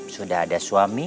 sudah ada suami